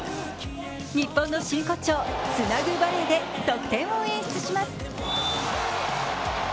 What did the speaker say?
日本の真骨頂、つなぐバレーで得点を演出します。